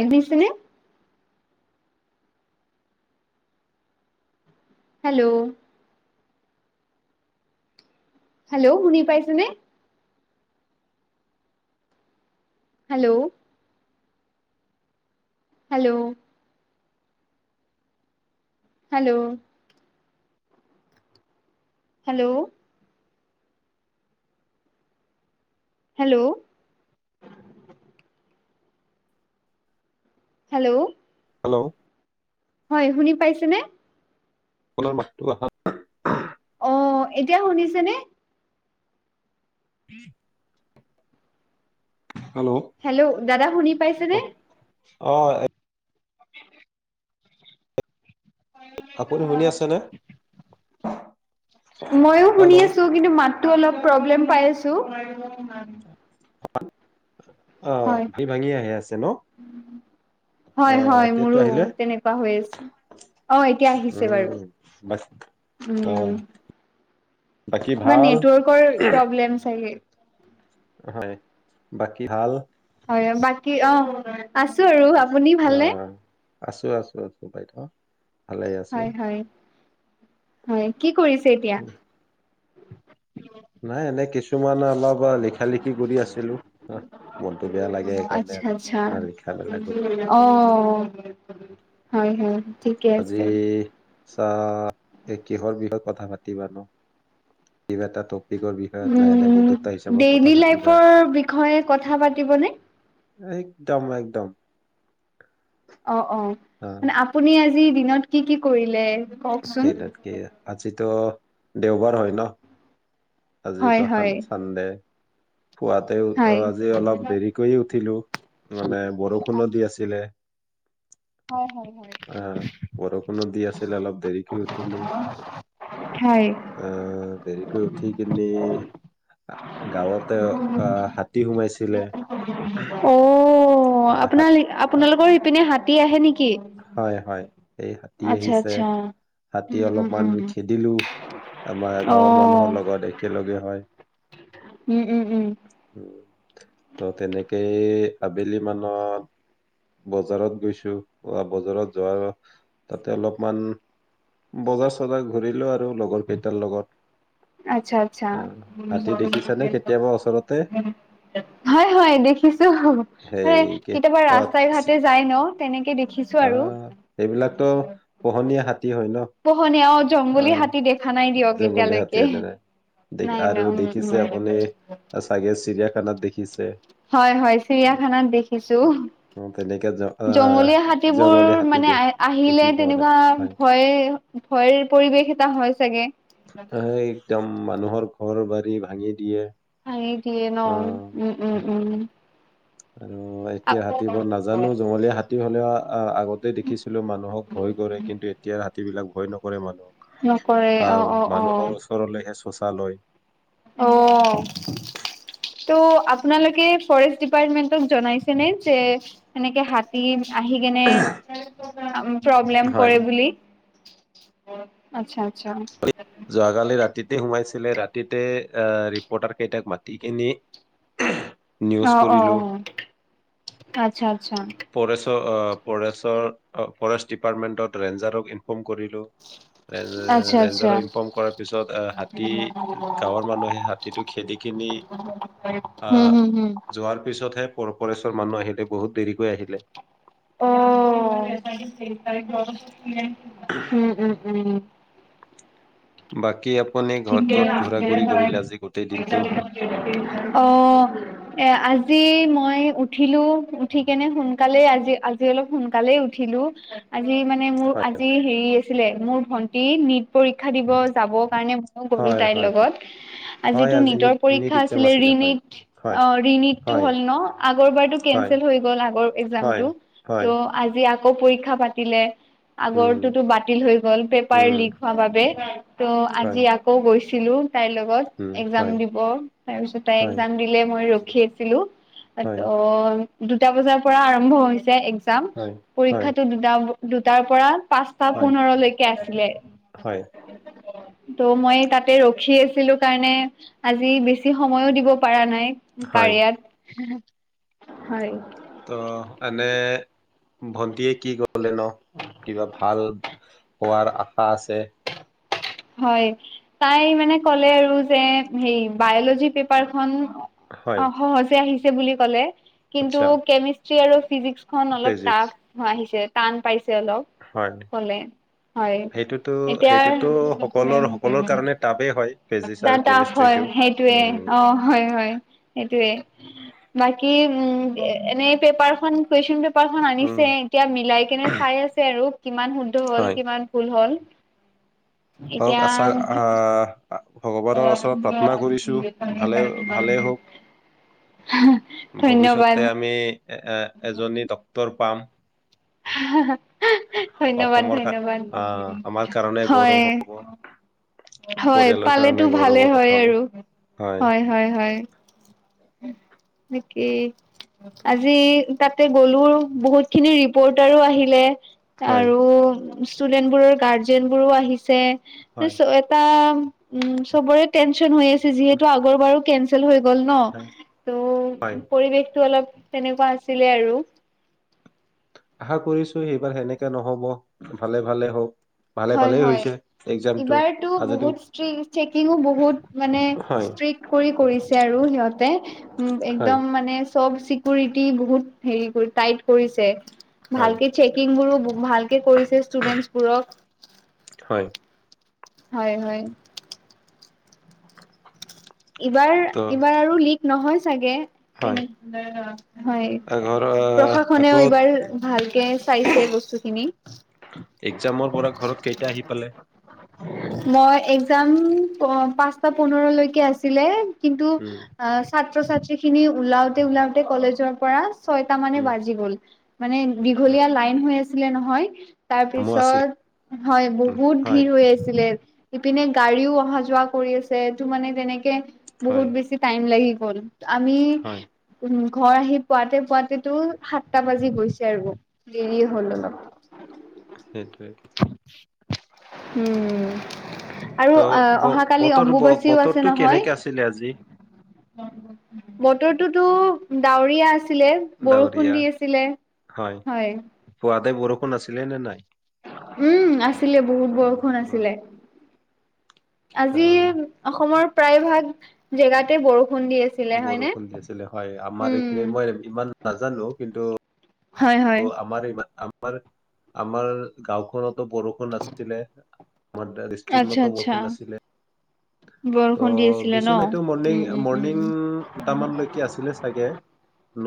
এছিলনেে [unintelligible] hello hello শুনি পাইছে নে hello hello hello hello hello hello hello হয় শুনি পাইছেনে আপোনাৰ মাতটো অা [unintelligible] অ এতিয়া শুনিছে নে উম [unintelligible] [inaudible] হেল্ল' দাদা শুনি পাইছেনে অ [inaudible] অ আপুনি শুনি আছেনে মইো হেল্ল' শুনি আছো অ কিন্তু মাততো অলপ প্ৰব্লেম পাই আছো অ [unintelligible] হয় [unintelligible] হয় অ হয় হয় এতিয়াতো মোৰো আহিলে তেনেকুৱা হৈ আছে অ এতিয়া আহিছে বাৰু উম বাক অ উম বাকী কিবা ভাল নেটৱৰ্কৰ প্ৰব্লেম চাগে হয় বাকী হাল হয় বাকী অ আছো আৰু আপুনি অ ভালনে আছো আছো আছো বাইদ হয়-হয় হয় কি কৰিছে এতিয়া কিুমান [unintelligible] অলপ লিখা লিখি কৰি আছিলো হ মনতটো বেয়া লাগে সেইকাৰণে আচ্ছা আচ্ছা আৰু লিখা মেলা কৰি আছিল অ' হয় হয় ঠিকে আছে চাহ এই কিহৰ বিষয়ে কথা পাতিবা নো কিবা এটা তোক উ ডেইলি পাতিবা লাইফৰ বিষয়ে কথা পাতিবনে একদম একদম অ অ মানে আপুনি জি দিনত কি কি কৰিলে কওকচোন? নতকি আজিিতো দেওবাৰ হয় ন হয় হয় আজিতোান চানডে খুৱাতে হয়। আজি অলপ দেৰি কৰিয় উঠিলো মানে বৰষুণ দি আছিলে হয় হয় হয়। আহ বৰ কোনো দি আছিল অলপ শিক উঠিলো হয় অ উঠি কিিনি গাঁৱত অ হাতী সোমাইছিল চিলে অ অ আপোনাল আপোনালোকৰ ইপিনে হাতী আহে নেকি হয় হয় এই হাতী আচ্ছা আহিছে আচ্ছা। হাতী উম উম অলপমান উম। খেদিলো আমাৰ গাঁৱৰ অ' মানুহৰ লগত একেলগে হয় উম উম উম ত' তেনেকেই আবেলি মানত বজাৰত গৈছো বা বজাৰত যোৱাৰ তাতে অলপমান বজাৰ চজাৰ ঘূৰিলেও আৰু আৰু লগৰ কেইটাৰ লগত আ্ছা আচ্ছা আহ হাতী দেখিছানে কেতিয়াবা ওচৰতে হয় হয় দেখিছো মানে সেই কি কেতিয়াবা অত ৰাস্তাই ঘাটে যাই ন তেনেকে দেখিছো আহ এইবিলাকতো পোহনীয়া হাতী হয় ন পোহনীয়া অ জংগলী হাতী দেখা নাই দিয়ক এতিয়ালৈকে তে নাই নাই ন আৰু উম উম দেখিছে আপুনি চাগে চিৰিয়া পানত দেখিছে হয় হয় চিৰিয়াখানাত দেখিছো অ তেনেকে জ আহ জঙলীয়া হাত সেইবোৰ জংগলী হাতী দে মানে আহ দেখি আহিলে পোৱা নাই তেনেকুৱা হয় ভয় ভয়ৰ পৰিৱেশ এটা হয় চাগে অ একদম মানুহৰ ঘৰ বা ভাঙি দিয়ে উ সিয়ে ন আহ উম উম হয়। উম আৰু এতিয়া হাতীবোৰ নাজানো জঙলীয়া হাতী তেতিয়াহ'লে আহ আগতে দেখিছিলো মানুহক ভয় কৰে কিন্তু এতিয়া সেইবিলাক ভয় নকৰে মানুহ নকৰে অ অ অ শৌচালয় অ ত' আপোনালোকে ফৰেষ্ট ডিপাৰ্টমেন্টক জনাইছেনে যে সেনেকে হাতী আহি কেনে [unintelligible] প্ৰব্লেম হয় কৰে বুলি। আচ্ছা আচ্ছা। যোৱাকালি ৰাতিতে সোমাইছে। ছিলে ৰাতিতে ৰিপৰ্টাৰ কেইটাক মাতি কিনি। নিউজ অহ অ কৰিলো অহ আচ্ছা আচ্ছা। অ আহ ফৰেষ্টৰ আহ ফৰেষ্ট ডিপাৰ্টমেণ্টত ৰেঞ্জাৰক ইমৰ্ফম! কৰিলো এন আচ্ছা আচ্ছা ৰেঞ্জাৰক। কৰাৰ পিছত আহ হাতী, গাঁৱৰ মানুহে হাতীটো খেদি কিনি হুম আহ হুম হুম যোৱাৰ পিছত হে ফৰেষ্টৰ মানুহ আহিলে বহুত দেৰিকৈ আহিলে অ [unintelligible] উম! উম! উম! বাকী আ গোটেই দিনটো অহ এ আ আজি মই উঠিলো উঠি কেনে সোনকালেই আজি আজি অলপ সোনকালে উঠিলো। আজি মানে মোৰ হয় আজি হেৰি আছিলে মোৰ ভন্টি নীট পৰীক্ষা দিব যাবৰ কাৰণে মইয়ো গ'লো হয় তাইৰ হয় লগত হয় হয় আজিটো আজি নিট নীটৰ নিট পৰীক্ষা এক্জাম আছিলে, হয় ৰীনীট হয় অ ৰীনীটটো হয় হ'ল ন আগৰ বাৰতো হয় কেনচেল হৈ গ'ল আগৰ হয় একজামতো ত' হয় আজি আকৌ পৰীক্ষা পাতিলে উম আগৰটোতো বাতিল হৈ গ'ল পেপাৰ উম লিক হোৱা বাবে [unintelligible] ত' হয় আজি আ গৈছিলো। তাইৰ লগত উম একজাম হয় দিব তাৰ পিছত তাই হয় একজাম দিলে মই ৰ খি আছিলো। তা হয় [unintelligible] দুটা বজাৰ পৰা আৰম্ভ হৈছে, এক যাম, হয় হয় পৰীক্ষাটো দুটা দুটাৰ পৰা। পাঁচটা হয় পোন্ধৰলৈকে আছিলে। হয় ত। মই তাতে ৰখি আছিলো কাৰণে আজি বেছি সময়ো দিব পৰা নাই। হয় কাৰিয়াত। হয়। তাতে এনে, ভন্টিয়ে কি গলে ন, কিবা ভাল হোৱাৰ আশা আছে। হয়, তাই মানে ক'লে আৰু যে, হে, বায়লজি পেপাৰখন? অ, হয় সহজে আহিছে। বুলি ক'লে। কিন্তু আচ্ছা কেমি শ্ৰী আৰু। ফিজিক্স খন অলপ ফিজিক্স। টাফ আহিছে। তান, পাইচ অলপ হয়। কলে, হয় সেইটোতো এতিয়া সেইটোতো সকলৰ, সকলৰ কাৰণে টাপেই হয়। ফিজিক্স আৰু তাৰ টাফ হয়, কেমিষ্ট্ৰিটো। উম। সেইটয়ে অ, হয়, হয় সেইটোৱে। বাকী উম, এনেই পেপাৰখন? কুৱেশচন পেপাৰখন উম আনিছে, এতিয়া মিলাই কেনে চাই আছে আৰু কিমান শুদ্ধ হ'ল, কিমান ভুল হ'ল। অ, এতিয়া আছা, আ। ভালে ভালে হওক [unintelligible] ভৱিষ্যতে ধন্যবাদ। আমি এ, এ, এজনী ডক্তৰ পাম। সাহাহা। ধন্যবাদ, অসমৰ কা ধন্যবাদ, আহ আমাৰ কাৰণে গৌৰৱ হয়। হ'ব হয়, পৰিয়ালৰ কাৰণে পালেতো ভালে গৌৰৱৰ কথা হয়, হ'ব আৰু হয়, হয়, হয়। নেকি আজি তাতে গ'লো, বহুত খিনি ৰিপৰ্টাৰো আহিলে। হয় আৰু। ষ্টুডেন্ট বোৰৰ গাৰ্জেন বোৰো আহিছে। হয় [unintelligible] এটা। উম, চবৰে টেনচন হৈ আছে। যিহেতু আগৰ বাৰ কে হৈ গ'ল হয় ত' হয় পৰিৱেশতটো অলপ! তেনেকুৱা আছিলে আৰু আশা কৰিছো এইবাৰ সেনেকে নহব ভালে ভালে হওক ভালে হয় ভালেই হয় হৈছে এক্জামটো এইবাৰতো আৰু যদিও বহুতষ্ট চেকিঙো বহুত মানে হয় ষ্ট্ৰিক কৰি কৰিছে আৰু সিহতে হয় একদম মানে চব চিকিৰিটি বহুত হেৰি কৰি টাইট কৰিছে হয় ভালকে চেকিং গোৰো ভালকে কৰিছে ষ্টুডেন্টছ বোৰক হয় হয় হয় ইবাৰ ত এইবাৰ আৰু লীগ নহয় চাগে ন হয় হয় আ, ঘৰ আহ, প্ৰশাসনেও আকৌ এইবাৰ ভালকে চাইছে বস্তুখিনি এক্জামৰ পৰা ঘৰত কেইটা আহি পালে মই যাম অ পাঁচটা পোন্ধৰলৈকে আছো ছিলে কিন্তু উম ছাত ছাত্ৰ ছাত্ৰী খিনি ওলাওতে ওলাওতে কলেজৰ পৰা ছয়টা মানে উম বাজি গ'ল মানে দীঘলীয়া লাইন হৈ আ ছিলে নহয় কামো আছিল তাৰপিছত হয় উম, বহুত হয় ভিৰ হৈ আছিলে ইপিনে গাড়ীও অহা যোৱা কৰি আছে এইটো মানে তেনেকে বহুত হয় বেছি টাইম লাগি ব'ল আমি হয় উম ঘৰ আহি পুৱাতে পুৱতেতো সাতটা বাজি গৈছে আৰু দেৰি হ'ল অলপ সেইটোৱেই উম আৰু ত অ অহাাকালি বতৰ ব- অম্বুবাচীও আছে বতৰটো নহয় হয় কেনেকে আছিলে আজি বতৰতো টো ডউৰীয়া আছে বৰষুণ ডাৱৰীয়া দি আছিল হয় সদাই বৰষুণ আছিলে নে নাই উম আছিলে বহুত বৰষুণ অ আছিলে ত- আজি অসমৰ প্ৰায় ভাগ জেগাতে বৰষুণ [unintelligible] আছিলে হয়নে? বৰষুণ দি আছিলে হয় আমাৰ উম এইখিন মই ইমান নাজানো কিন্তু হয় হয় আমাৰ- আমাৰ আমাৰ গাঁওখনত। বৰষুণ আাছিলে। আাৰ আচ্ছা এষ্ট্ৰিকত আচ্ছা গমেণ্ট আছিলে- ত বৰষুণ দি আছিলে বেছি ন। নাইতো মৰ্ণিং উম উম উম মৰ্ণিংট মানলৈকে আছিলে চাগে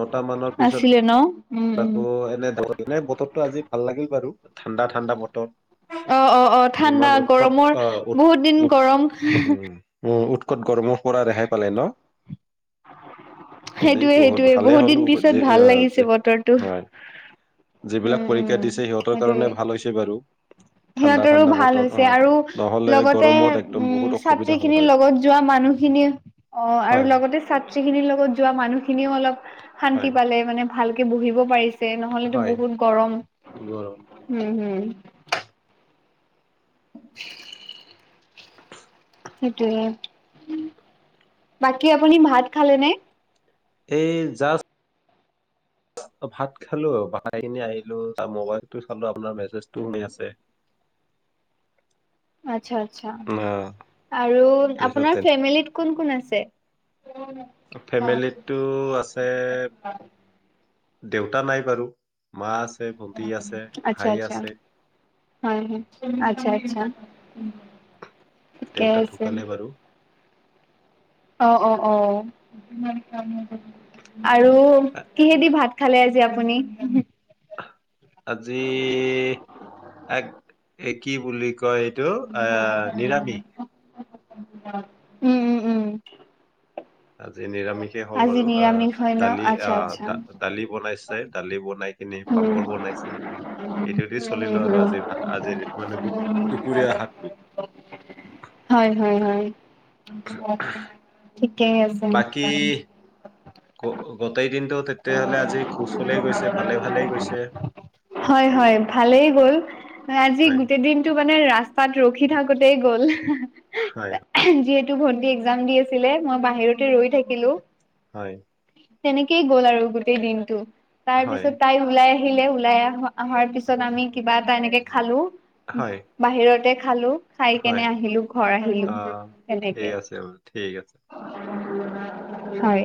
নট মানৰ আছিলে ন উম পিছত উম আকৌ এনে ব ো আজি ভাল লাগিল বাৰু ঠাণ্ডা ঠাণ্ডা মতৰ অ অ অ ঠাণ্ডা গৰমৰ আহ উৎ বহুত দিন উৎ গৰম। উম! উ উৎকট গৰমৰ পৰা ৰেহাই পালে ন জি সেইটোয়ে বহুত সেইটোয়ে ভালেই হ'ল দিন পিছত ভাল লাগিছে বতৰটো। হয় [unintelligible] যিবিলাক উম উম পৰীক্ষা দিছে সিহঁতৰ কাৰণে সেইটোৱে। ভাল হৈছে বাৰু ঠাণ্ডা সিহঁতৰো ঠাণ্ডা ভাল বতৰ অ হৈছে আৰু নহলে লগতে গৰমত। বহুত উম অসুবিধা ছাত্ৰী হ'ল খিনিৰ হয়। লগত যোৱা মানুহখিনি অ আৰু হয় লগতে ছাত্ৰী খিনিৰ লগত যোৱা মানুহ খিনিও অলপ শান্তি হয় পালে মানে ভালকে বহিব পাৰিছে [unintelligible] [unintelligible] নহলেতো হয় বহুত গৰম গৰম হম হম [unintelligible] [unintelligible] সেইটোোৱে বাকী আপুনি ভাত খালে নে এই যা ভাত খালো বাই কিনি আহিলো তাৰ মবাইলত চালো আপোনাৰ মেছেজটো শুনি আছে আচ্ছা! অ আৰু আপোনাৰ তাৰপিছতে ফেমিলত কোন কোন আছে? ফেমিলীটো আছে দেউতা নাই বাৰু মাছ [unintelligible] আচ্ছা আচ্ছা হৈ হৈ আচ্ছা আচ্ছা! উম! [unintelligible] দেউতা ঢুকালে বাৰু অ অ অ! আৰু কিহেদি ভাত খালে আজি আপুনি। আজি এক এক কি বুলি কয় এইটো অ নিৰামিষ। উম উম উম! আজি নিৰামিষে হ'ল আজি বাৰু অ নিৰামিষ হয় ন দালি আচ্ছা অ আচ্ছা দালি বনাইছোই দালি বনাই পিনে উম পাপৰ বনাইছে সেইটো দি চলিলো উম আৰু হম আজি ভ আজিৰ মানে দু দুপৰীয়া শাকটো। হয় হয় হয়। ঠিকেই আছে বাকী গোটেই দিনটো তেতিয়া হ'লে আজি কুশলে গৈছে ভালে ভালে। হয় হয় ভালেই গ'ল আজি হয় গোটেই দিনটো। মানে ৰাস্তাত ৰখি থাকোতেই গ'ল। হয় হয়। ন্টী এক্সাম দি আছিলে মই বাহিৰতে ৰৈ থাকিলো। হয়। তেনেকেই গ'ল আৰু গোটেই দিনটো। হয় তাৰপিছত তাই ওলাই আহিলে ওলাই আহা অহাৰ পিছত আমি কিবা এটা এনেকে খালো। হয় বাহিৰতে খা খালোঁ। খাই হয় কেনে আহিলো, ঘৰ আহিলো আহ ঠিক তেনেকে। আছে বাৰু ঠিক আছে। হয়।